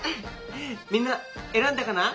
みんなえらんだかな？